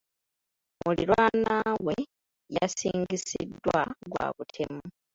Muliraanwa we yasingisiddwa gwa butemu.